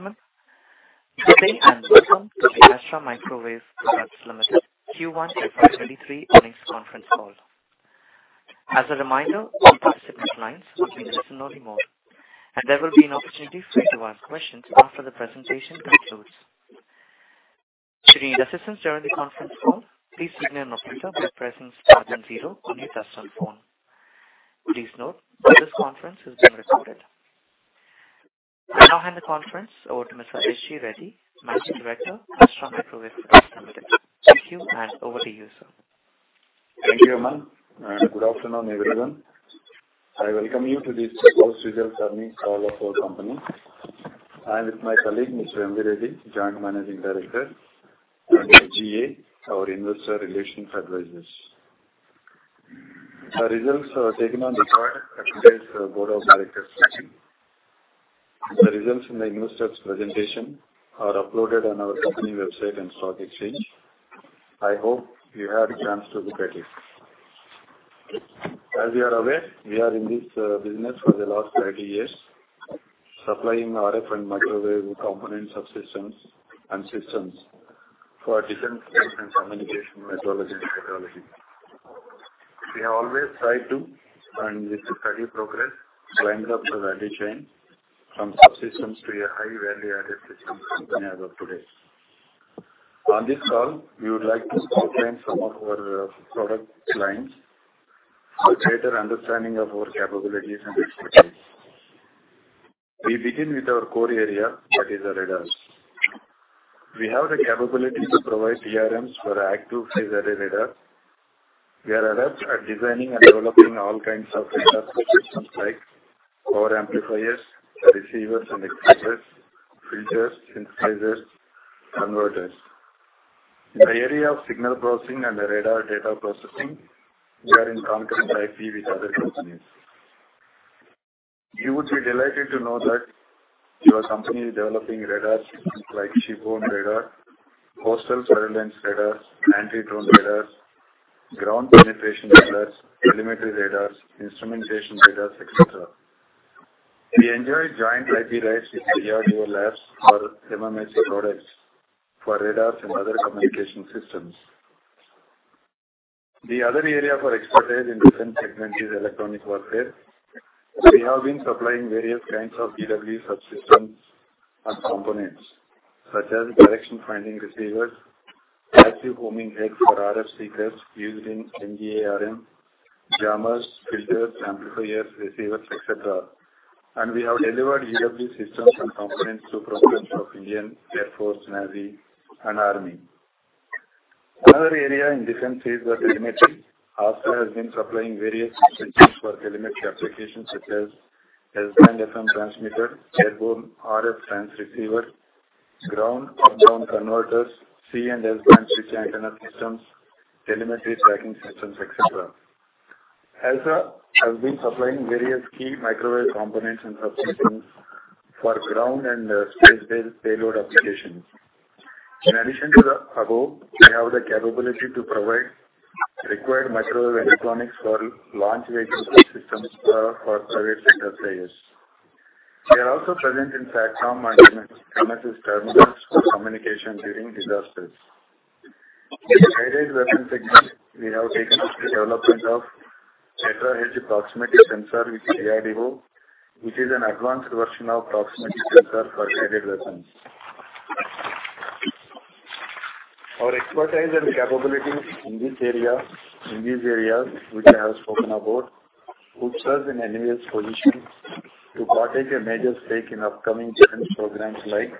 Gentlemen, good day and welcome to Astra Microwave Products Limited Q1 FY2023 earnings conference call. As a reminder, all participant lines will be in a listen only mode, and there will be an opportunity for you to ask questions after the presentation concludes. If you need assistance during the conference call, please signal an operator by pressing star then zero on your telephone. Please note that this conference is being recorded. I now hand the conference over to Mr. S. Gurunatha Reddy, Managing Director, Astra Microwave Products Limited. Thank you, and over to you, sir. Thank you, Aman, and good afternoon, everyone. I welcome you to this post results earnings call of our company. I'm with my colleague, Mr. M.V. Reddy, Joint Managing Director, and GA, our investor relations advisors. The results are taken on the call as per board of directors meeting. The results in the investors presentation are uploaded on our company website and stock exchange. I hope you had a chance to look at it. As you are aware, we are in this business for the last 30 years, supplying RF and microwave components, subsystems, and systems for defense and communication metrology technology. We have always tried to and with steady progress to end up the value chain from subsystems to a high value-added system as of today. On this call, we would like to outline some of our product lines for greater understanding of our capabilities and expertise. We begin with our core area that is the radars. We have the capability to provide TRMs for active phased array radar. We are adept at designing and developing all kinds of radar systems like power amplifiers, receivers and exciters, filters, synthesizers, converters. In the area of signal processing and the radar data processing, we are in concurrent IP with other companies. You would be delighted to know that your company is developing radars like shipborne radar, coastal surveillance radars, anti-drone radars, ground penetration radars, elementary radars, instrumentation radars, etc. We enjoy joint IP rights with DRDO labs for MMIC products for radars and other communication systems. The other area for expertise in different segment is electronic warfare. We have been supplying various kinds of EW subsystems and components such as direction finding receivers, active homing heads for RF seekers used in MGA-RM, jammers, filters, amplifiers, receivers, etc. We have delivered EW systems and components to branches of Indian Air Force, Navy and Army. Another area in defense is the telemetry. Astra has been supplying various systems for telemetry applications such as S-band FM transmitter, airborne RF transceiver, ground/up-down converters, C and S-band switch antenna systems, telemetry tracking systems, etc. Astra has been supplying various key microwave components and subsystems for ground and space-based payload applications. In addition to the above, we have the capability to provide required microwave electronics for launch vehicle systems, for private sector players. We are also present in Satcom and MSS terminals for communication during disasters. In the guided weapons segment we have taken up the development of terahertz proximity sensor with DRDO, which is an advanced version of proximity sensor for guided weapons. Our expertise and capabilities in this area, in these areas which I have spoken about, puts us in an envious position to partake a major stake in upcoming different programs like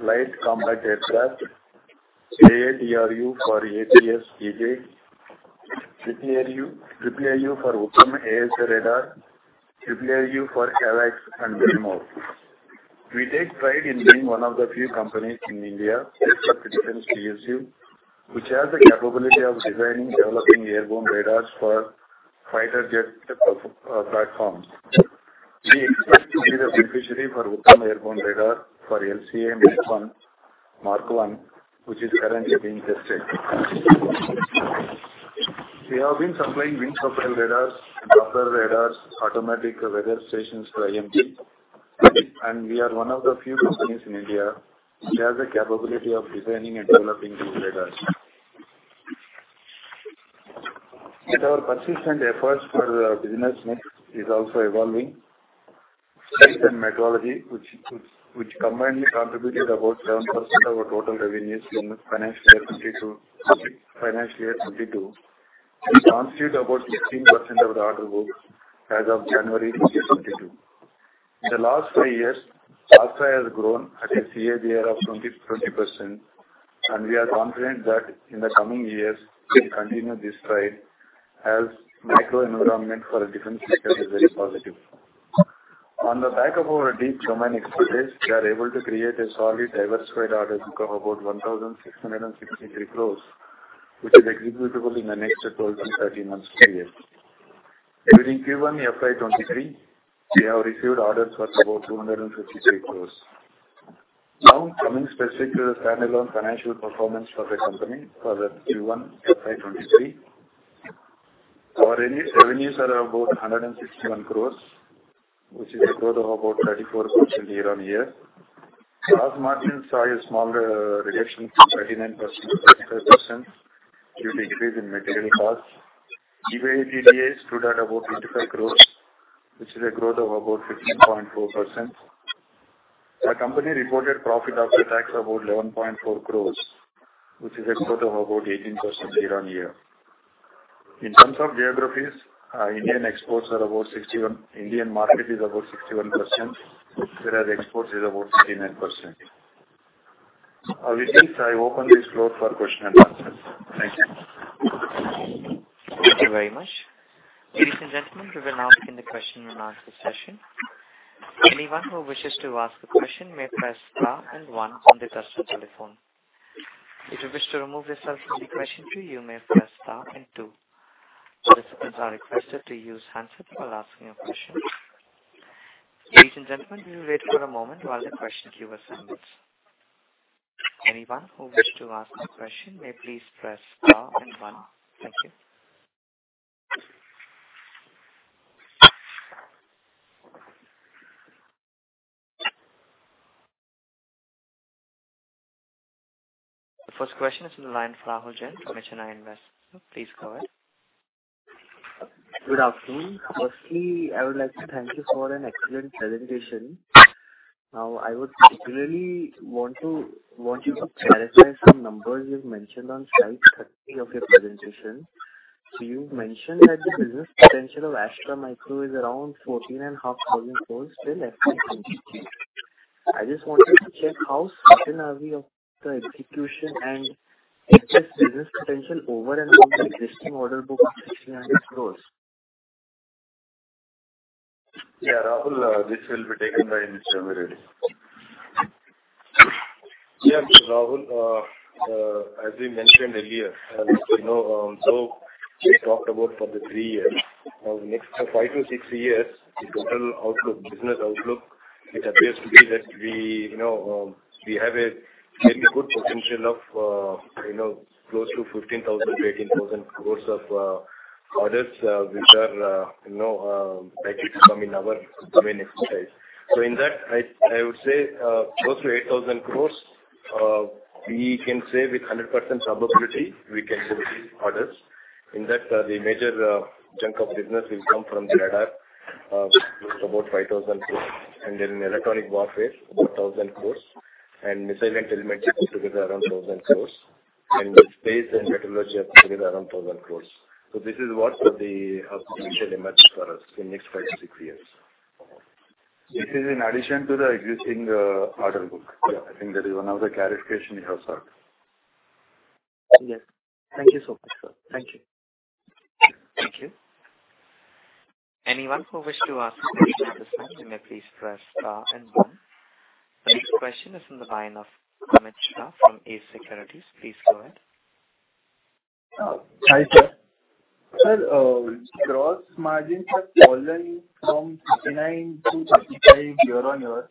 Light Combat Aircraft, AAAU for APS-BJ, PPIU for Uttam AESA radar, PPIU for AWACS and many more. We take pride in being one of the few companies in India except the defense PSU, which has the capability of designing, developing airborne radars for fighter jet platforms. We expect to be the beneficiary for Uttam airborne radar for LCA Mark one, which is currently being tested. We have been supplying wind profile radars, Doppler radars, automatic weather stations to IMD, and we are one of the few companies in India which has the capability of designing and developing these radars. Our persistent efforts for business mix is also evolving. Space and metrology, which combinedly contributed about 7% of our total revenues in financial year 2022, will constitute about 16% of the order book as of January this year 2022. In the last three years, Astra has grown at a CAGR of 20%, and we are confident that in the coming years we'll continue this stride as macro environment for the defence sector is very positive. On the back of our deep domain expertise, we are able to create a solidly diversified order book of about 1,663 crores, which is executable in the next 12-13 months period. During Q1 FY 2023, we have received orders for about 253 crores. Now, coming specifically to the standalone financial performance for the company for Q1 FY 2023. Our revenues are about 161 crores, which is a growth of about 34% year-on-year. Gross margin saw a small reduction from 39% to 38% due to increase in material costs. EBITDA stood at about INR 55 crores, which is a growth of about 15.4%. Our company reported profit after tax of about 11.4 crores, which is a growth of about 18% year-on-year. In terms of geographies, Indian market is about 61%, whereas exports is about 39%. With this, I open the floor for questions and answers. Thank you. Thank you very much. Ladies and gentlemen, we are now in the question and answer session. Anyone who wishes to ask a question may press star and one on the touch tone telephone. If you wish to remove yourself from the question queue, you may press star and two. Participants are requested to use handset while asking a question. Ladies and gentlemen, we will wait for a moment while the question queue assembles. Anyone who wishes to ask a question may please press star and one. Thank you. The first question is from the line of Rahul Jain from HNI Invest. Please go ahead. Good afternoon. Firstly, I would like to thank you for an excellent presentation. Now, I would particularly want you to clarify some numbers you've mentioned on slide 30 of your presentation. You've mentioned that the business potential of Astra Microwave is around 14,500 crores till FY 2023. I just wanted to check how certain are we of the execution and excess business potential over and above the existing order book of 1,600 crores. Yeah, Rahul, this will be taken by Mr. Murugavel. Yeah, Rahul. As we mentioned earlier, you know, we talked about for the three years. Now, next 5-6 years, the total outlook, business outlook, it appears to be that we, you know, we have a very good potential of, you know, close to 15,000-18,000 crore of orders, which are, you know, likely to come in our domain expertise. In that, I would say, close to 8,000 crore, we can say with 100% probability we can receive orders. In that, the major chunk of business will come from the radar, about 5,000 crore. Then electronic warfare, about 1,000 crore. Missile and telemetry put together around 1,000 crore. The space and meteorology are put together around 1,000 crore. This is what the potential emerges for us in next 5-6 years. This is in addition to the existing order book. I think that is another clarification you have sought. Yes. Thank you so much, sir. Thank you. Thank you. Anyone who wish to ask a question at this time, you may please press star and one. The next question is from the line of Amit Shah from ACE Securities. Please go ahead. Hi, sir. Sir, gross margins have fallen from 39%-38% year-on-year.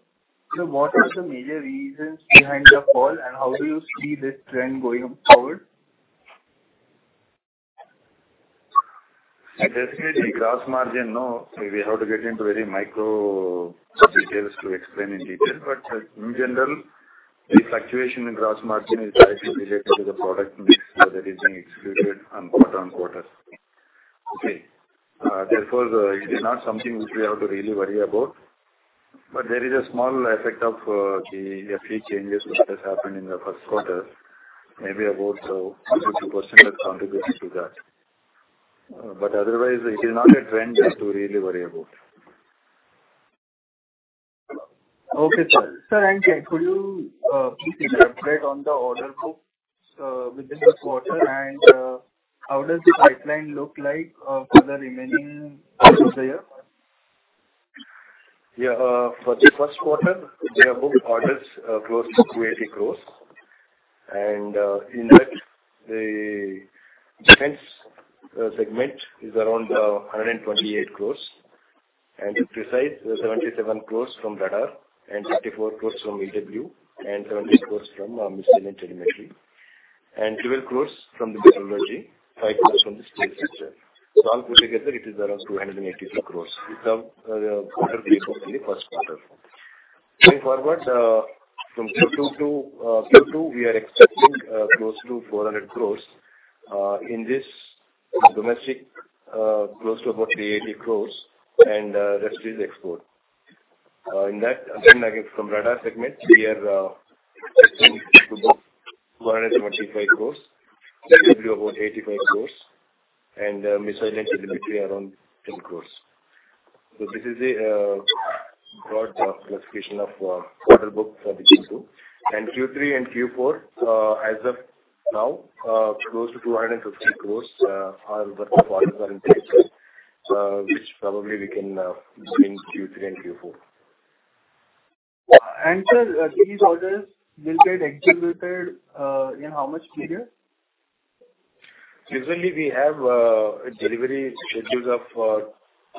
What are the major reasons behind the fall, and how do you see this trend going forward? I guess the gross margin. No. We have to get into very micro details to explain in detail. In general, the fluctuation in gross margin is largely related to the product mix that is being executed on quarter-on-quarter. Okay. Therefore, it is not something which we have to really worry about. There is a small effect of the FX changes which has happened in the first quarter, maybe about 2% that contributes to that. Otherwise, it is not a trend we have to really worry about. Okay, sir. Sir, could you please elaborate on the order book within this quarter? How does the pipeline look like for the remaining course of the year? Yeah. For the first quarter, we have booked orders close to 280 crores. In that, the defense segment is around 128 crores. To be precise, 77 crores from radar and 54 crores from EW and 70 crores from missile and telemetry. 12 crores from the meteorology, 5 crores from the space system. All put together, it is around 282 crores. It's our order book for the first quarter. Going forward, from Q2 to Q2, we are expecting close to 400 crores. In this domestic, close to about 380 crores and rest is export. In that, again, like from radar segment, we are expecting to book INR 175 crores. EW about INR 85 crores. Missile and telemetry around INR 10 crores. This is a broad classification of order book for Q2, Q3 and Q4, as of now, close to 250 crores are the orders in place, which probably we can between Q3 and Q4. Sir, these orders will get executed in how much period? Usually we have a delivery schedules of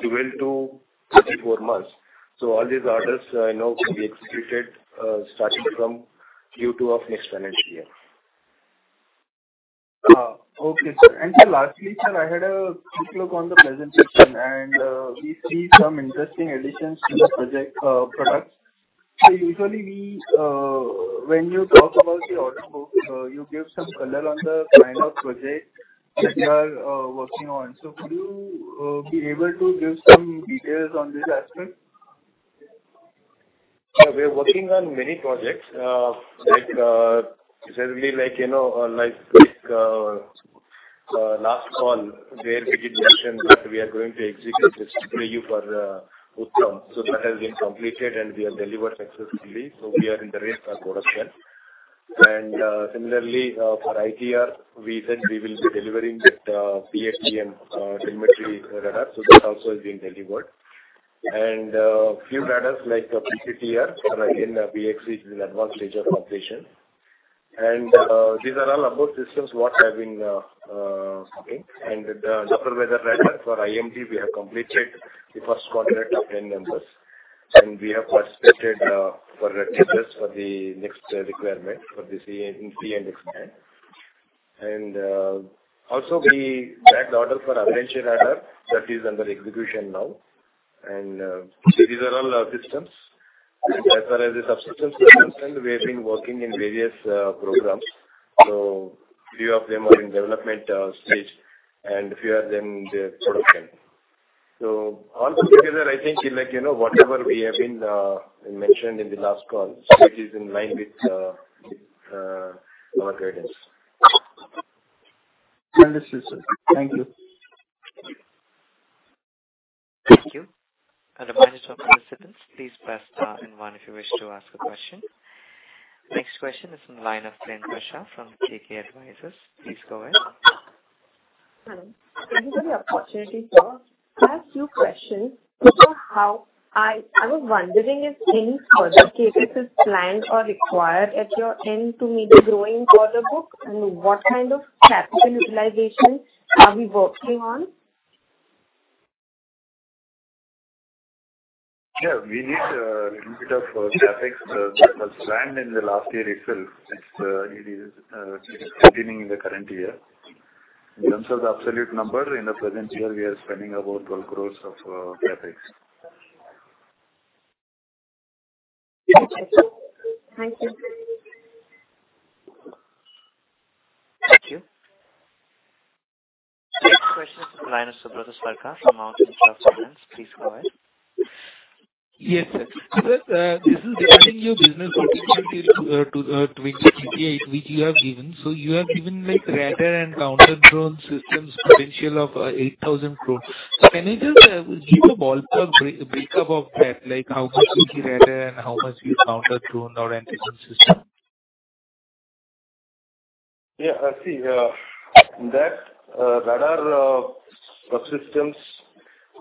12-34 months. All these orders you know can be executed starting from Q2 of next financial year. Okay, sir. Sir, lastly, sir, I had a quick look on the presentation and we see some interesting additions to the project, products. Usually, when you talk about the order book, you give some color on the final project that you are working on. Could you be able to give some details on this aspect? Yeah. We are working on many projects. Like, say, we like, you know, like, last call where we did mention that we are going to execute this for the outcome. That has been completed, and we have delivered successfully, so we are in the race for production. Similarly, for ITR, we said we will be delivering that, PhD and telemetry radar. That also has been delivered. Few radars like PCTR and BX are in advanced stage of completion. These are all above systems that have been okay. The Doppler weather radar for IMD, we have completed the first contract of 10 members, and we have participated for tenders for the next requirement for the C and X band. we placed the order for anti-drone radar that is under execution now. these are all our systems. As far as the subsystems are concerned, we have been working in various programs. few of them are in development stage and few are in the production. all those together, I think, like, you know, whatever we have been mentioned in the last call. it is in line with our guidance. Understood, sir. Thank you. Thank you. A reminder for participants, please press star and one if you wish to ask a question. Next question is from the line of Priyanka Shah from KK Advisors. Please go ahead. Hello. Thank you for the opportunity, sir. I have two questions. I was wondering if any further CapEx is planned or required at your end to meet the growing order book and what kind of capital utilization are we working on? Yeah. We need a little bit of CapEx that was planned in the last year itself. It is continuing in the current year. In terms of the absolute number, in the present year we are spending about 12 crores of CapEx. Thank you. Thank you. Next question is from the line of Subrata Sarkar from Outlook Stock Trends. Please go ahead. Yes, sir. Sir, this is regarding your business opportunity to which you have given. You have given, like, radar and counter-drone systems potential of 8,000 crore. Can you just give a ballpark breakup of that, like how much is the radar and how much is counter-drone or anti-drone system? Yeah. See, that radar subsystems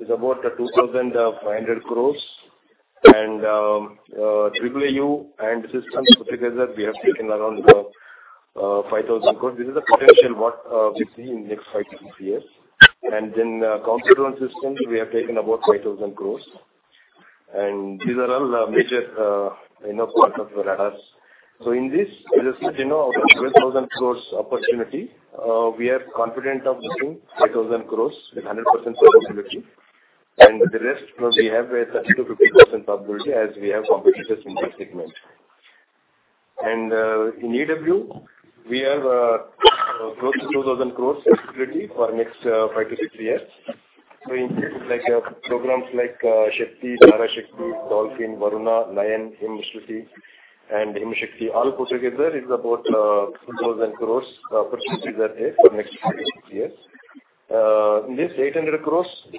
is about 2,500 crores. AAAU and systems put together, we have taken around 5,000 crores. This is the potential what we see in next five to six years. Counter-drone system, we have taken about 5,000 crores. These are all major, you know, part of the radars. In this, as I said, you know, out of 12,000 crores opportunity, we are confident of getting 5,000 crores with a 100% probability. The rest, you know, we have a 30%-50% probability as we have competitors in this segment. In EW, we have close to INR 2,000 crores visibility for next five to six years. In this, like, programs like Shakti, Dharashakti, Dolphin, Varuna, Lion, Himshakti, all put together is about INR 2,000 crores opportunity that is for next 5-6 years. In this INR 800 crores,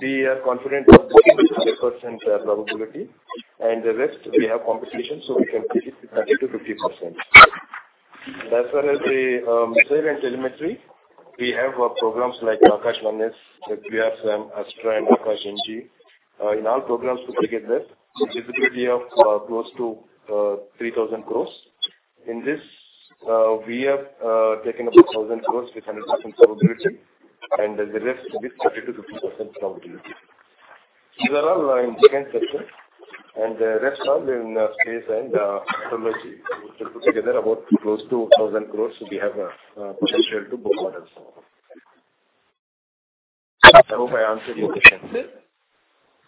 we are confident of getting 100% probability. The rest, we have competition, so we can keep it 30%-50%. As far as the missile and telemetry, we have programs like Akash 1S, QRSAM, Astra, and Akash-NG. In all programs put together, the visibility of close to 3,000 crores. In this, we have taken about 1,000 crores with 100% probability, and the rest with 30%-50% probability. These are all in defense sector. The rest are in space and astronomy, which will put together about close to 1,000 crore. We have a potential to book orders. I hope I answered your question.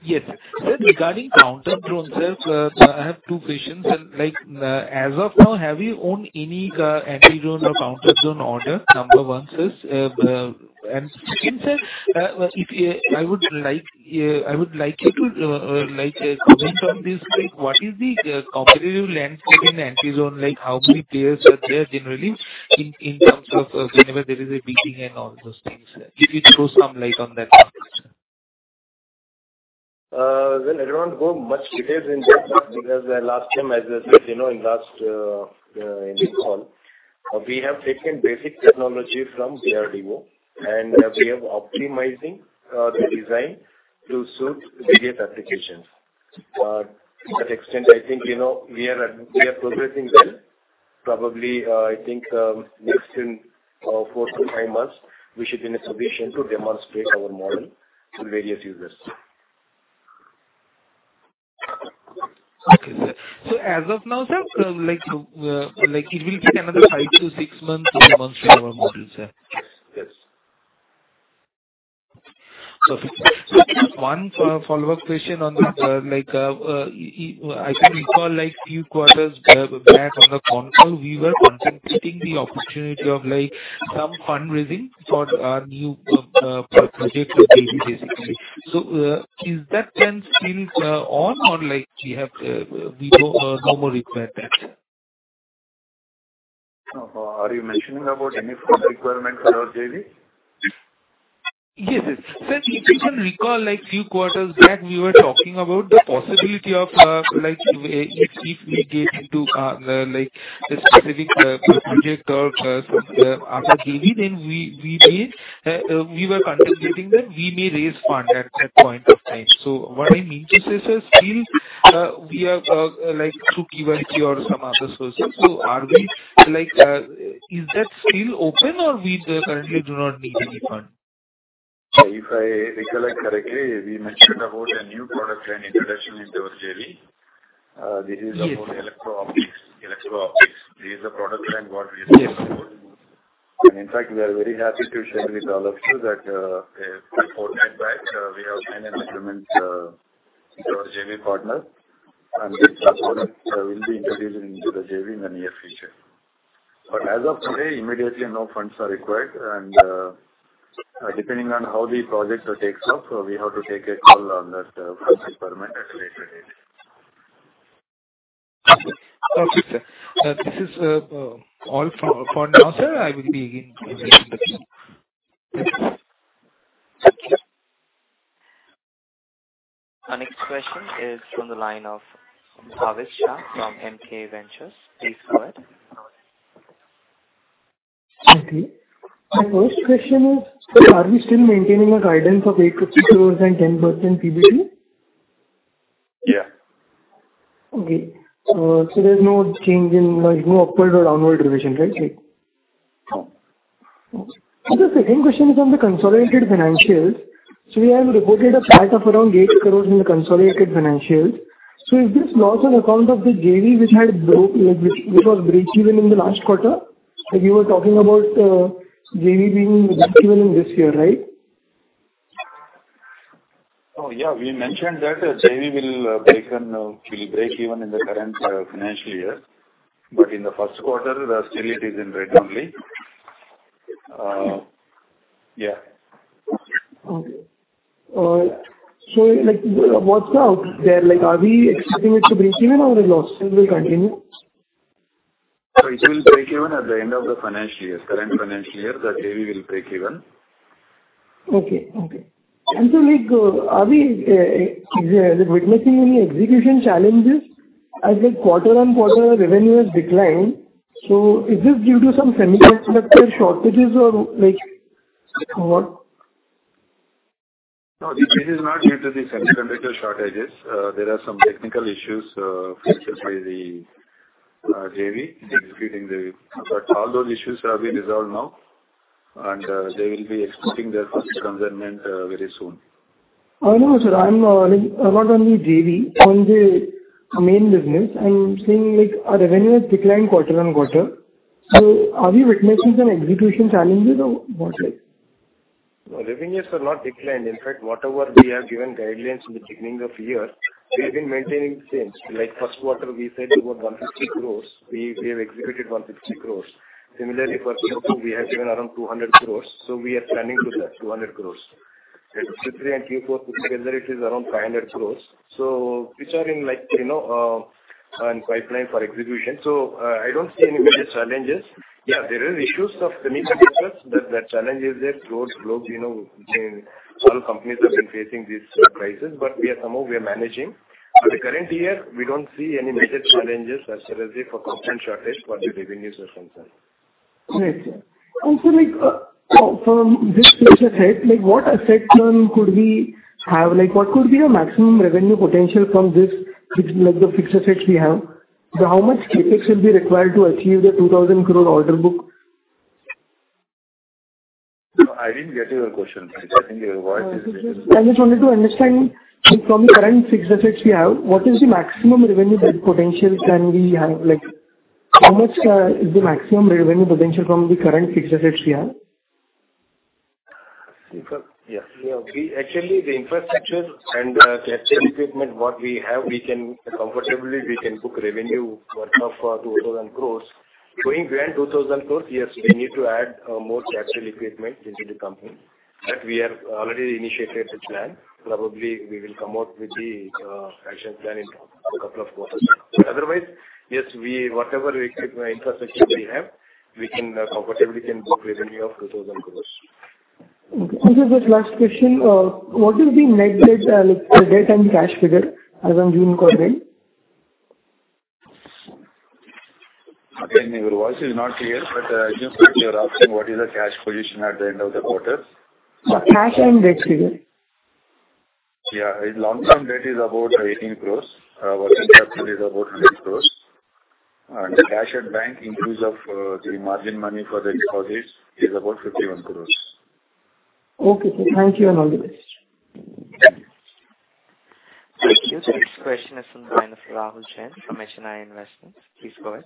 Yes, sir. Sir, regarding counter-drone sales, I have two questions. Like, as of now, have you won any anti-drone or counter-drone order? Number one, sir. Second, sir, I would like you to like comment on this. Like, what is the competitive landscape in anti-drone? Like, how many players are there generally in terms of whenever there is a bidding and all those things? Can you throw some light on that part, sir? Well, I don't go much details in that because the last time, as I said, you know, in this call, we have taken basic technology from DRDO, and we have optimizing the design to suit various applications. To that extent, I think, you know, we are progressing well. Probably, I think, next in 4-5 months, we should be in a position to demonstrate our model to various users. As of now, sir, like, it will take another 5-6 months for the launch of our model, sir. Yes. One follow-up question on this. I can recall like few quarters back on the concall, we were contemplating the opportunity of, like, some fundraising for our new project with JV, basically. Is that plan still on or like we have no more require that? Are you mentioning about any fund requirement for our JV? Yes, yes. If you can recall, like, few quarters back, we were talking about the possibility of, like, if we get into, like a specific project or some other JV, then we may we were contemplating that we may raise fund at that point of time. What I mean to say, sir, still, we have, like through QIP or some other sources. Are we, like, is that still open or we currently do not need any fund? If I recollect correctly, we mentioned about a new product line introduction in our JV. Yes. about electro-optics. This is a product line what we discussed about. Yes. In fact we are very happy to share with all of you that, a fortnight back, we have signed an agreement with our JV partner, and this product will be introduced into the JV in the near future. But as of today, immediately, no funds are required. Depending on how the project takes off, we have to take a call on that fund requirement at a later date. Okay. Okay, sir. This is all for now, sir. I will be in- Thank you. Our next question is from the line of Dhavish Shah from MK Ventures. Please go ahead. Okay. My first question is, are we still maintaining a guidance of 8%-10% PBT? Yeah. Okay. There's no change in, like, no upward or downward revision, right, sir? No. Okay. Sir, second question is on the consolidated financials. We have reported a loss of around 8 crores in the consolidated financials. Is this loss on account of the JV which had broke, like which was breakeven in the last quarter? Like, you were talking about JV being breakeven this year, right? Oh, yeah. We mentioned that JV will break even in the current financial year, but in the first quarter, still it is in red only. Yeah. Like, what's the outlook there? Like, are we expecting it to breakeven or the losses will continue? It will break even at the end of the financial year. Current financial year, the JV will break even. Like, are we witnessing any execution challenges? As, like, quarter-on-quarter revenue has declined. Is this due to some semiconductor shortages or, like, what? No, this is not due to the semiconductor shortages. There are some technical issues faced by the JV in executing. All those issues have been resolved now, and they will be exporting their first consignment very soon. No, sir. I'm, like, not only JV. On the main business, I'm seeing, like, our revenue has declined quarter-on-quarter. Are we witnessing some execution challenges or what, like? No, revenues are not declined. In fact, whatever we have given guidelines in the beginning of year, we've been maintaining the same. Like, first quarter we said about 150 crores. We have executed 150 crores. Similarly, for Q2 we have given around 200 crores, so we are planning to that 200 crores. Q3 and Q4 put together it is around 500 crores. So, which are, like, you know, on pipeline for execution. I don't see any major challenges. Yeah, there are issues of semiconductors. That challenge is there. Global, you know, certain companies have been facing these prices, but we are somehow managing. For the current year, we don't see any major challenges as such, say, for component shortage for the revenue system side. Right. Like, from this fixed asset, like what asset turn could we have? Like, what could be our maximum revenue potential from this, like the fixed assets we have? How much CapEx will be required to achieve the 2,000 crore order book? No, I didn't get your question. I think your voice is little. I just wanted to understand from the current fixed assets we have, what is the maximum revenue potential can we have? Like, how much is the maximum revenue potential from the current fixed assets we have? Yeah. We actually, the infrastructure and the equipment what we have, we can comfortably book revenue worth of 2,000 crores. Going beyond 2,000 crores, yes, we need to add more capital equipment into the company. That we have already initiated the plan. Probably we will come out with the action plan in a couple of quarters. Otherwise, yes, we, whatever equipment infrastructure we have, we can comfortably book revenue of 2,000 crores. Okay. This is just last question. What is the net, like, debt and cash figure as on June quarter? Again, your voice is not clear, but I think that you're asking what is the cash position at the end of the quarter. Cash and debt figure. Yeah. Long-term debt is about 18 crore. Working capital is about 100 crore. The cash at bank includes of the margin money for the deposits is about 51 crore. Okay. Thank you, and all the best. Thank you. The next question is from the line of Rahul Jain from ICICI Securities. Please go ahead.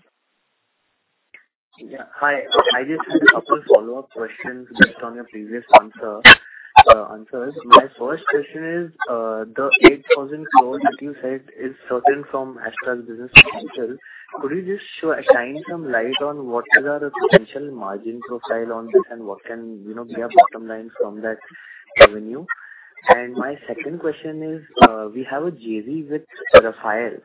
Yeah. Hi. I just had a couple follow-up questions based on your previous answers. My first question is, the 8,000 crore that you said is certain from Astra business potential, could you just shine some light on what is our potential margin profile on this and what can, you know, be our bottom line from that revenue? My second question is, we have a JV with Rafael.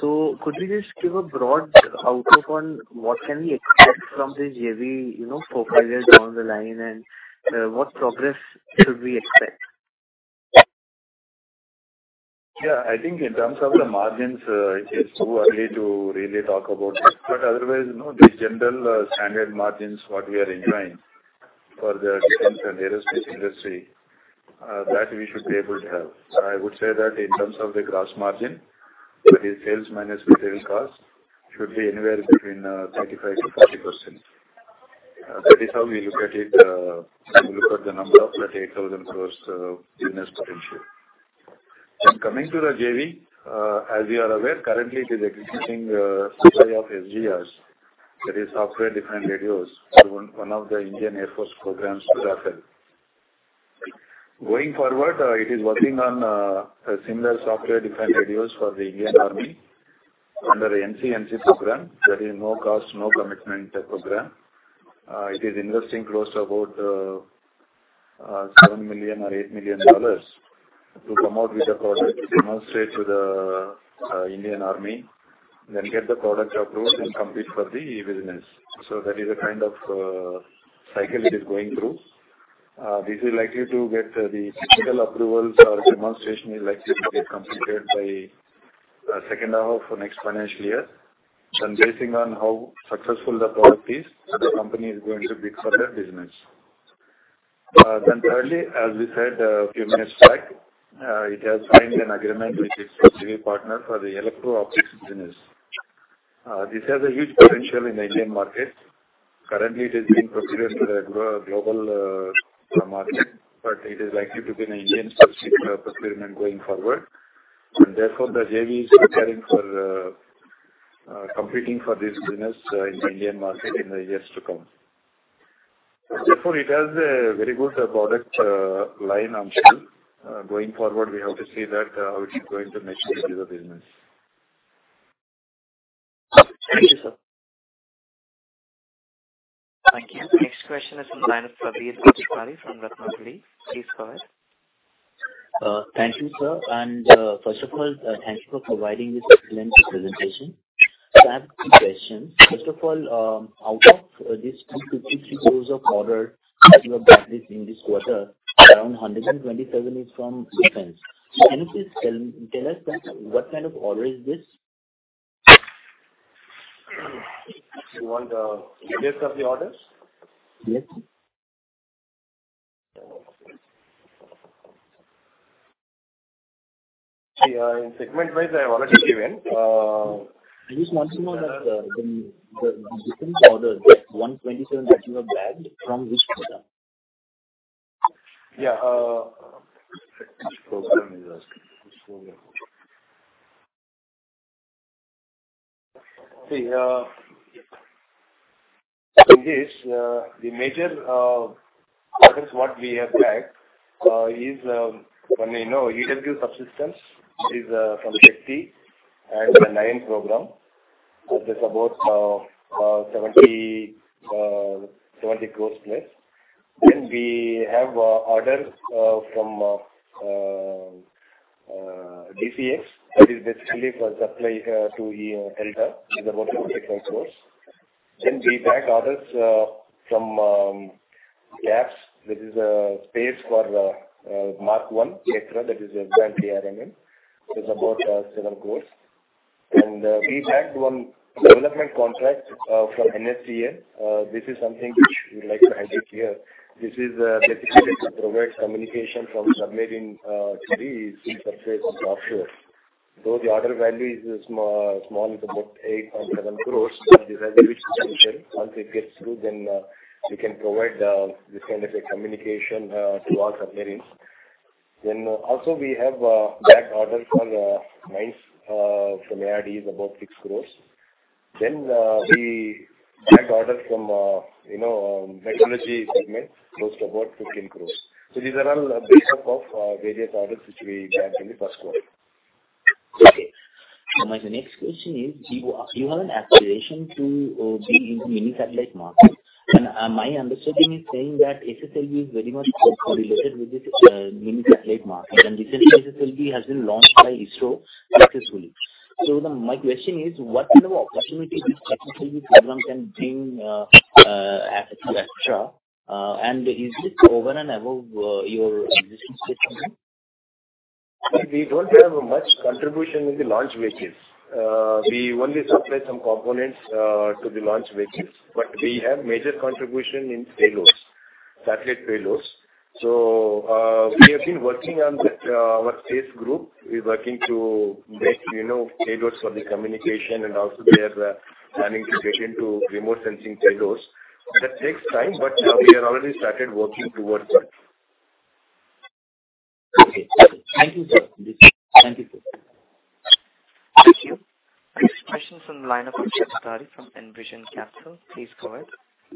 So could we just give a broad outlook on what can we expect from this JV, you know, 4-5 years down the line, and what progress should we expect? Yeah. I think in terms of the margins, it is too early to really talk about it. Otherwise, you know, the general, standard margins, what we are enjoying for the defense and aerospace industry, that we should be able to have. I would say that in terms of the gross margin, the sales minus material cost should be anywhere between 35%-40%. That is how we look at it, when we look at the number of that 8,000 crore business potential. Coming to the JV, as you are aware, currently it is executing supply of SDRs. That is software-defined radios for one of the Indian Air Force programs with Rafael. Going forward, it is working on a similar software-defined radios for the Indian Army under the NCNC program. That is No Cost No Commitment program. It is investing close to about $7 million or $8 million to come out with a product to demonstrate to the Indian Army, then get the product approved and compete for the business. That is a kind of cycle it is going through. This is likely to get the technical approvals or demonstration is likely to get completed by second half of next financial year. Basing on how successful the product is, the company is going to bid for that business. Thirdly, as we said a few minutes back, it has signed an agreement with its JV partner for the electro-optics business. This has a huge potential in the Indian market. Currently it is being procured with a global market, but it is likely to be an Indian specific procurement going forward. Therefore, the JV is preparing for competing for this business in the Indian market in the years to come. Therefore, it has a very good product line on sale. Going forward, we have to see that how it's going to materialize the business. Thank you, sir. Thank you. Next question is from the line of Praveen Sekhri from Ratnawali Capital. Please go ahead. Thank you, sir. First of all, thank you for providing this excellent presentation. I have two questions. First of all, out of this 253 crore order that you have bagged in this quarter, around 127 crore is from defense. Can you please tell us what kind of order is this? You want the breakdown of the orders? Yes. See, in segment wise I have already given. I just want to know that, the defense order, that 127 that you have bagged, from which program? Yeah. Which program he's asking. Which program? See, in this, the major orders what we have bagged is, you know, EW subsystems, which is from Shakti and the navy program. That is about 70 crores plus. Then we have orders from DCX. That is basically for supply to E Delta in the vertical takeoff systems. Then we bag orders from Gaps. That is space for Netra Mk1A. That is a brand ERMN. It's about 7 crores. We bagged one development contract from NSTL. This is something which we'd like to highlight here. This is basically to provide communication from submarine to the sea surface and offshore. Though the order value is small, it's about 8.7 crores, but this has a huge potential. Once it gets through, then we can provide this kind of a communication to all submarines. Also we have bagged orders from DRDO, from ARDE, about 6 crores. We bagged orders from, you know, metallurgy segment, close to about 15 crores. These are all break-up of various orders which we bagged in the first quarter. Okay. My next question is, do you have an aspiration to be in the mini satellite market. My understanding is that SSLV is very much correlated with this mini satellite market. Recently SSLV has been launched by ISRO successfully. My question is, what kind of opportunity this SSLV program can bring to Astra? And is this over and above your existing system? We don't have much contribution in the launch vehicles. We only supply some components to the launch vehicles. We have major contribution in payloads, satellite payloads. We have been working on that, our space group. We're working to get, you know, standards for the communication and also we are planning to get into remote sensing standards. That takes time, but we have already started working towards that. Okay. Thank you, sir. Thank you. Thank you. Next question is from the line of Akshata from Envision Capital. Please go ahead.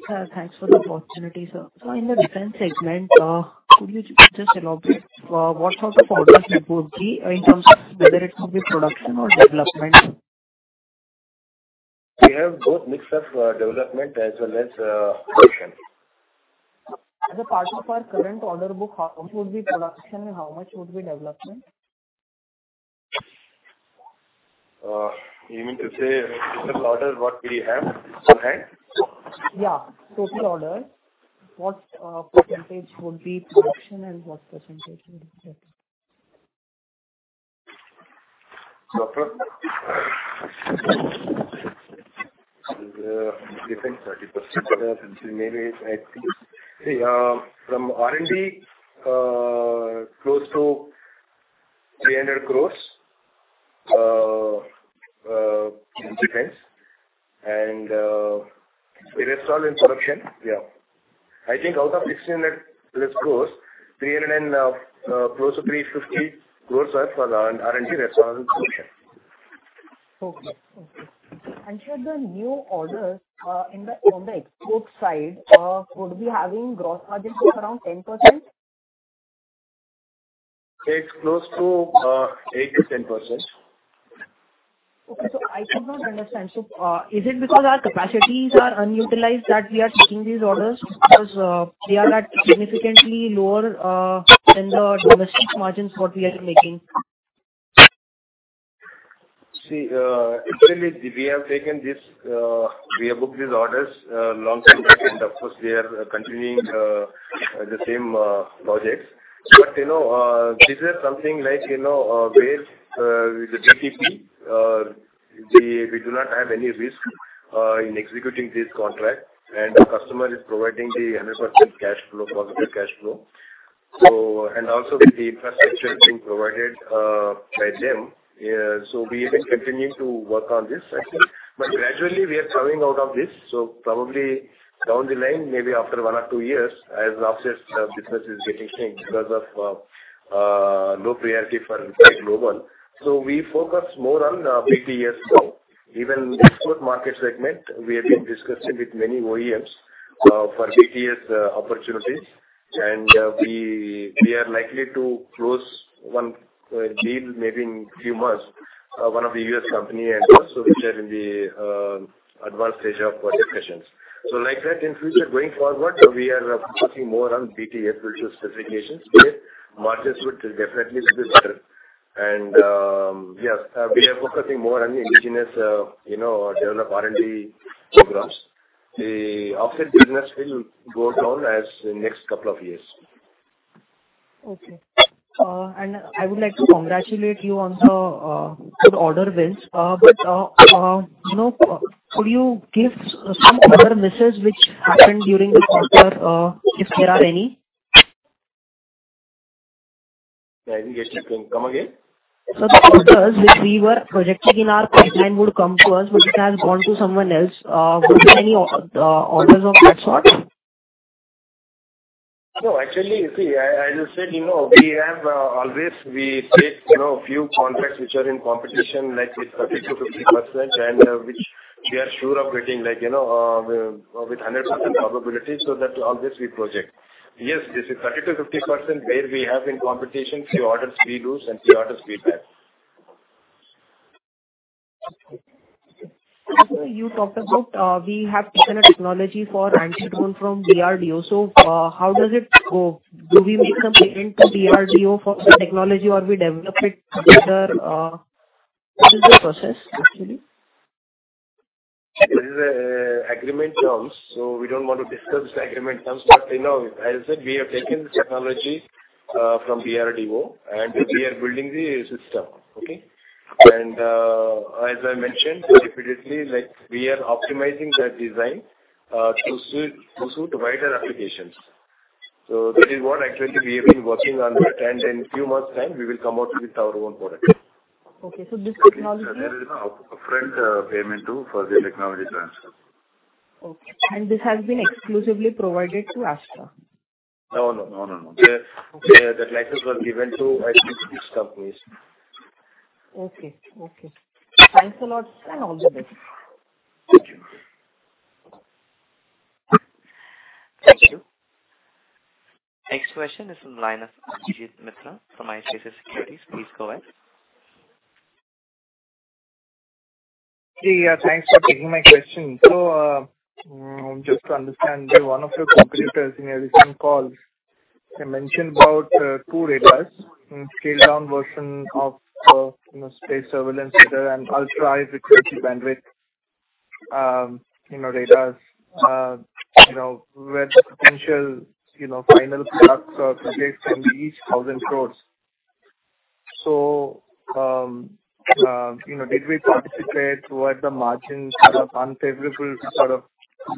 Sir, thanks for the opportunity, sir. In the defense segment, could you just elaborate what the order book is like in terms of whether it will be production or development? We have both mix of development as well as production. As a part of our current order book, how much would be production and how much would be development? You mean to say total order what we have on hand? Yeah, total order. What percentage would be production and what percentage would be development? From different 30%. Maybe, like, from R&D, close to INR 300 crore in defense and rest all in production. Yeah. I think out of 16 lakh gross, 300 and close to 350 crore are for R&D. Rest all in production. Should the new orders on the export side could be having gross margin of around 10%? It's close to 8%-10%. Okay. I could not understand. Is it because our capacities are unutilized that we are taking these orders because they are at significantly lower than the domestic margins that we are making? Actually, we have taken this, we have booked these orders long time back, and of course, we are continuing the same projects. You know, this is something like, you know, where with the GTC, we do not have any risk in executing this contract. The customer is providing 100% cash flow, positive cash flow. And also with the infrastructure being provided by them, so we will continue to work on this, I think. Gradually we are coming out of this. Probably down the line, maybe after one or two years as offset business is getting changed because of low priority for global. We focus more on BTS. Even export market segment, we have been discussing with many OEMs for BTS opportunities. We are likely to close one deal maybe in few months, one of the U.S. companies and also which are in the advanced stage of project discussions. Like that in future going forward, we are focusing more on BTS build-to-specifications. Okay. Margins would definitely be better. Yes, we are focusing more on indigenous, you know, development R&D programs. The offset business will go down in the next couple of years. Okay. I would like to congratulate you on the good order wins. You know, could you give some order misses which happened during the quarter, if there are any? I didn't get you. Come again. The orders which we were projecting in our pipeline would come to us, but it has gone to someone else. Were there any orders of that sort? No, actually, you see, I just said, you know, we have always we take, you know, few contracts which are in competition like with 30%-50% and which we are sure of getting like, you know, with a 100% probability. That always we project. Yes, this is 30%-50% where we have in competition, few orders we lose and few orders we get. Okay. Sir, you talked about we have taken a technology for anti-drone from DRDO. How does it go? Do we make the payment to DRDO for the technology or we develop it together? What is the process actually? This is agreement terms, so we don't want to discuss the agreement terms. You know, as I said, we have taken the technology from DRDO, and we are building the system. Okay? As I mentioned repeatedly, like, we are optimizing that design to suit wider applications. That is what actually we have been working on that. In few months time we will come out with our own product. Okay. This technology. There is no up-front payment for the technology transfer. Okay. This has been exclusively provided to Astra? No, no. The license was given to companies. Okay. Thanks a lot, sir, and all the best. Thank you. Thank you. Next question is from the line of Abhijit Mitra from ICICI Securities. Please go ahead. Hey. Thanks for taking my question. Just to understand, one of your competitors in a recent call, they mentioned about two radars, scaled-down version of, you know, space surveillance radar and ultra high-frequency bandwidth, you know, radars, you know, where the potential, you know, final products or projects can be each 1,000 crore. You know, did we participate? Were the margins, sort of, unfavorable, sort of,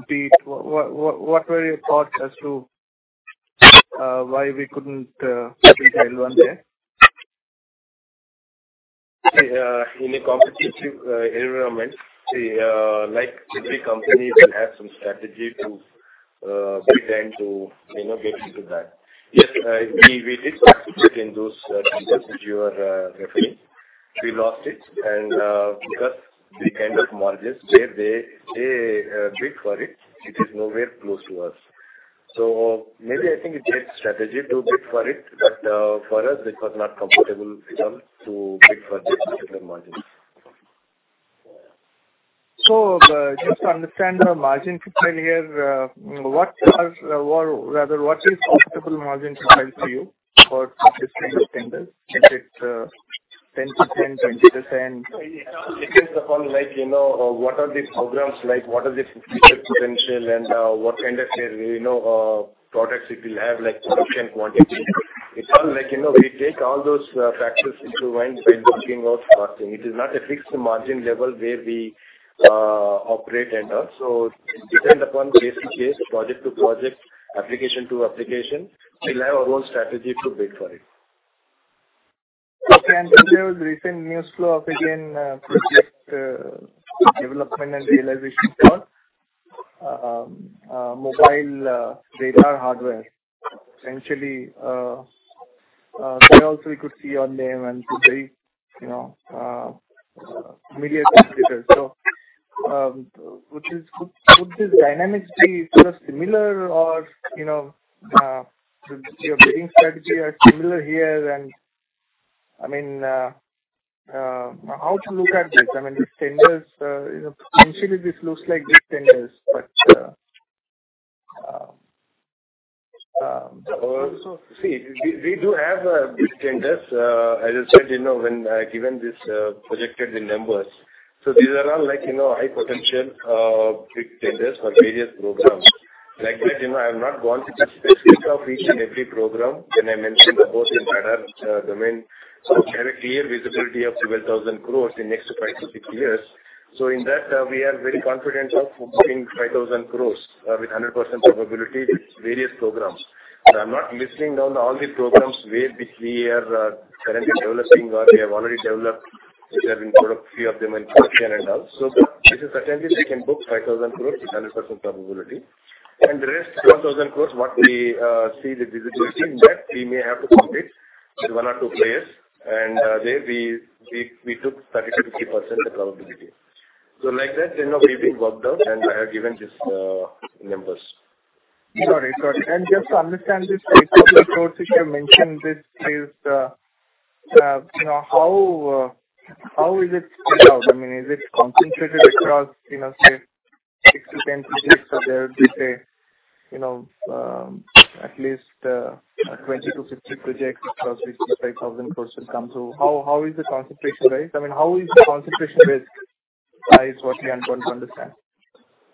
beat? What were your thoughts as to why we couldn't participate one day? In a competitive environment, like every company will have some strategy to bid and to, you know, get into that. Yes, we did participate in those tenders which you are referring. We lost it and because the kind of margins where they bid for it is nowhere close to us. Maybe I think it's right strategy to bid for it, but for us it was not comfortable enough to bid for this particular margin. Just to understand the margin profile here, what are or rather what is profitable margin profile for you for participating in tenders? Is it 10%, 20%? It depends upon like, you know, what are the programs like, what are the future potential and, what kind of, you know, products it will have, like production quantity. It's all like, you know, we take all those, factors into mind when working out pricing. It is not a fixed margin level where we, operate and all. It depends upon case to case, project to project, application to application. We'll have our own strategy to bid for it. Okay. There was recent news flow of again, project development and realization for mobile radar hardware. Essentially, there also we could see your name and some very, you know, immediate competitors. Would these dynamics be sort of similar or, you know, your bidding strategy are similar here and I mean, how to look at this? I mean, these tenders, you know, essentially this looks like big tenders, but. See, we do have big tenders. As I said, you know, when I given this projected the numbers. These are all like, you know, high potential big tenders for various programs. Like that, you know, I have not gone to the specifics of each and every program when I mentioned about the radar domain. We have a clear visibility of 12,000 crore in next 5-6 years. In that, we are very confident of booking 5,000 crore with 100% probability with various programs. I'm not listing down all the programs where which we are currently developing or we have already developed, which have been product, few of them in production and all. This is certainly we can book 5,000 crore with 100% probability. The rest ten thousand crores, what we see the visibility, but we may have to compete with one or two players. There we took 30%-50% the probability. Like that, you know, we've been worked out and I have given this numbers. Got it. Just to understand this INR 12,000 crores which you have mentioned, this is, you know, how is it spread out? I mean, is it concentrated across, you know, say 6-10 projects or at least 20-50 projects across which this 5,000 crores will come through. How is the concentration, right? I mean, how is the concentration risk, right, is what I am going to understand.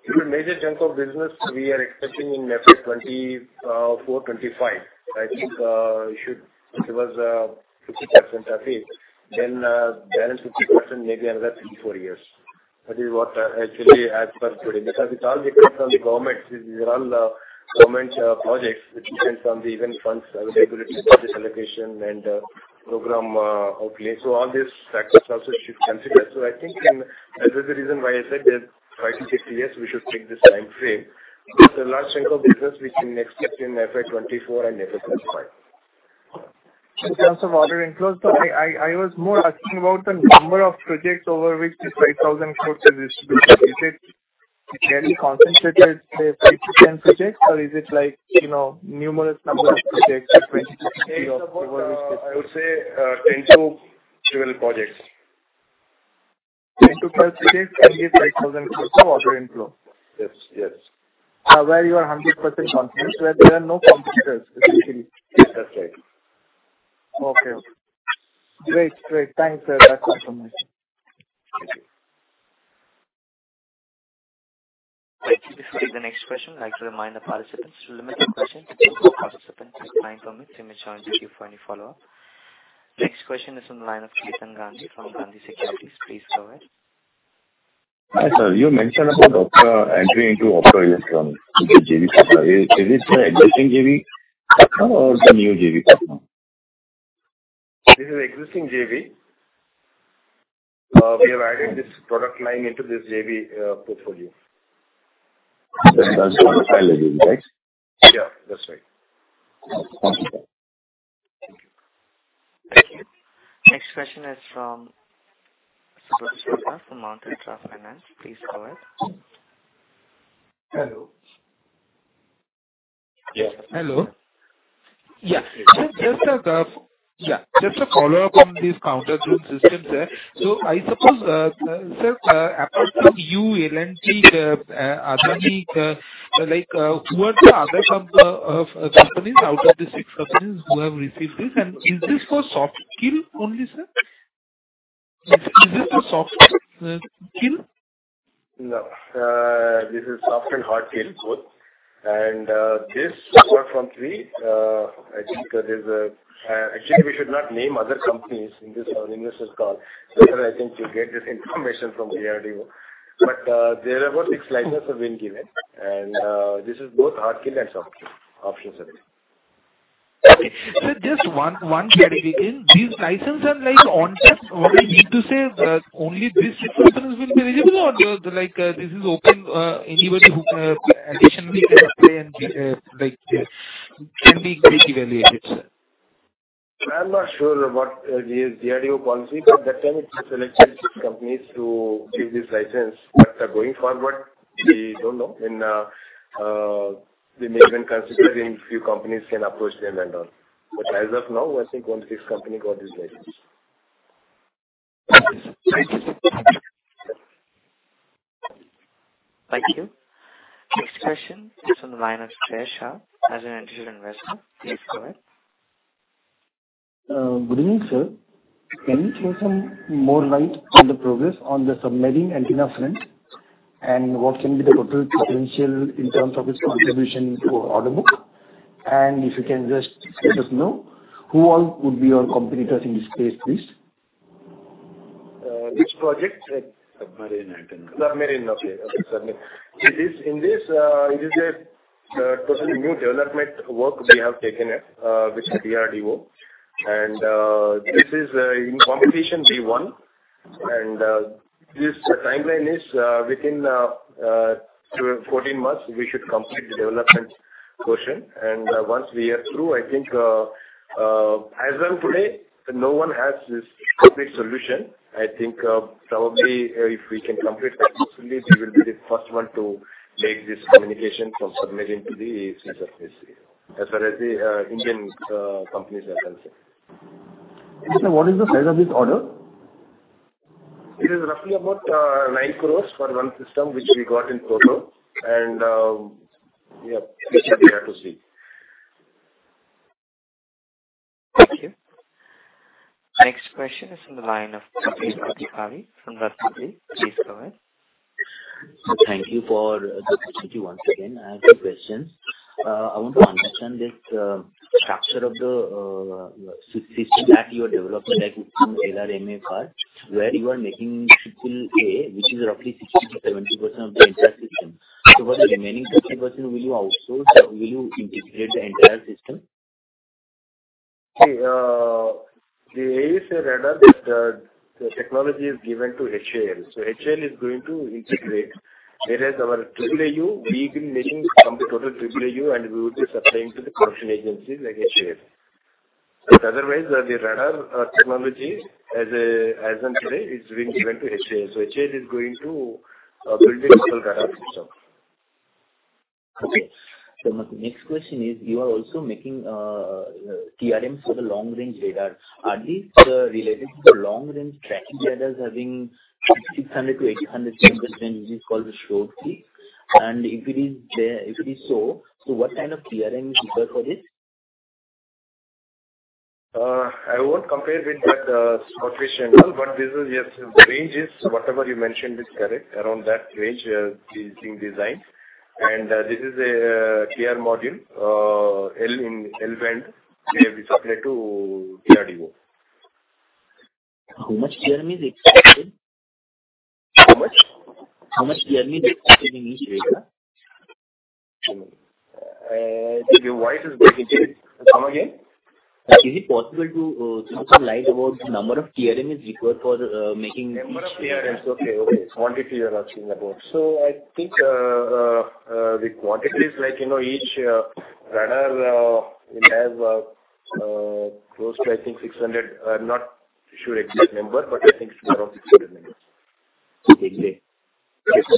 The major chunk of business we are expecting in FY 2024, 2025. I think it should give us 60% at least. The other 50% maybe another 3-4 years. That is what actually as per today, because it all depends on the government. These are all government projects which depends on the expenditure funds availability, budget allocation and program outlay. All these factors also should consider. I think that is the reason why I said that 5-6 years we should take this timeframe. The large chunk of business we can expect in FY 2024 and FY 2025. In terms of order inflows, I was more asking about the number of projects over which this 5,000 crore has distributed. Is it fairly concentrated, say 5-10 projects or is it like, you know, numerous number of projects of 20-50 over which this INR 5,000 crore. I would say, 10-12 projects. 10-12 projects can give 5,000 crore of order inflow? Yes. Yes. Where you are 100% confident where there are no competitors essentially. That's right. Okay. Great. Thanks, sir. That's all from me. Thank you. Thank you. Before we take the next question, I'd like to remind the participants to limit your questions to one per participant. The line operator may challenge you for any follow-up. The next question is on the line of Ketan Gandhi from Gandhi Securities. Please go ahead. Hi, sir. You mentioned about entry into auto electronics with the JV partner. Is it the existing JV partner or the new JV partner? This is existing JV. We have added this product line into this JV, portfolio. That's also an Astra JV, right? Yeah, that's right. Okay. Thank you. Thank you. Next question is fromSubrata Sarkar from Mountain Trust Finance. Please go ahead. Hello. Yes. Hello. Yeah. Just a follow-up on these counter drone systems, sir. I suppose, sir, apart from you, L&T, Adani, like, who are the other companies out of the six companies who have received this? And is this for soft kill only, sir? Is this for soft kill? No. This is soft and hard kill both. This apart from three, I think actually we should not name other companies in this call. Later I think you'll get this information from DRDO. There are about six licenses have been given, and this is both hard kill and soft kill options are there. Just one clarification. These licenses are like on test, or I mean to say, only these six persons will be eligible or you're like, this is open, anybody who can additionally apply and be like, can be evaluated, sir. I'm not sure what DRDO policy, but that time it selected six companies to give this license that are going forward. We don't know. They may even consider if few companies can approach them and all. As of now, I think only six company got this license. Thank you. Thank you. Next question is from the line of Shreyas Shah, Azan Associate Investor. Please go ahead. Good evening, sir. Can you throw some more light on the progress on the submarine antenna front? What can be the total potential in terms of its contribution to order book? If you can just let us know who all would be your competitors in this space, please. Which project? Submarine antenna. Submarine. Okay, submarine. In this, it is a totally new development work we have taken with DRDO. This is in competition we won. This timeline is within 12, 14 months we should complete the development portion. Once we are through, I think, as of today, no one has this complete solution. I think, probably if we can complete successfully, we will be the first one to make this communication from submarine to the sea surface, as well as the Indian companies as I said. Sir, what is the size of this order? It is roughly about 9 crore for one system which we got in total. Yeah, this should be up to see. Thank you. Next question is from the line of Praveen Sekhri from Ratnawali Capital. Please go ahead. Thank you for the opportunity once again. I have two questions. I want to understand this structure of the system that you are developing, like from LR-MR part, where you are making system A, which is roughly 60%-70% of the entire system. For the remaining 30% will you outsource or will you integrate the entire system? See, the AESA radar, the technology is given to HAL. HAL is going to integrate. Whereas our AAAU, we've been making some total AAAU, and we will be supplying to the consortium agencies like HAL. Otherwise, the radar technology as of today, it's being given to HAL. HAL is going to build the whole radar system. My next question is, you are also making TRMs for the long-range radar. Are these related to the long-range tracking radars having 600-800 kilometers range, which is called the SHORAD III? If it is so, what kind of TRM is required for this? I won't compare with that SHORAD III channel, but this is yes, the range is whatever you mentioned is correct. Around that range is being designed. This is a TR module L in L-band we have been supplied to DRDO. How much TRM is expected? How much? How much TRM is expected in each radar? Your voice is breaking, sir. Come again. Is it possible to throw some light about the number of TRM is required for making? Number of TRMs. Okay. Quantity you're asking about. I think the quantity is like, you know, each radar will have close to, I think, 600. I'm not sure exact number, but I think it's around 600 numbers. Okay, great.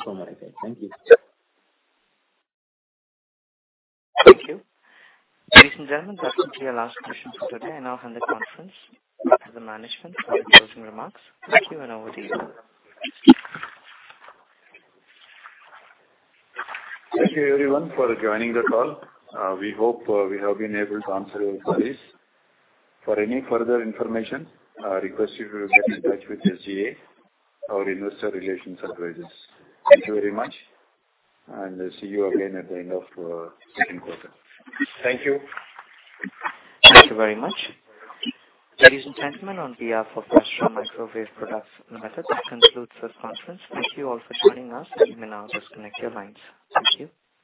No more questions. Thank you. Thank you. Ladies and gentlemen, that's actually our last question for today. I now hand the conference back to the management for any closing remarks. Thank you, and over to you. Thank you everyone for joining the call. We hope we have been able to answer your queries. For any further information, I request you to get in touch with your CA or investor relations advisors. Thank you very much, and see you again at the end of second quarter. Thank you. Thank you very much. Ladies and gentlemen, on behalf of Astra Microwave Products Limited, that concludes this conference. Thank you all for joining us. You may now disconnect your lines. Thank you.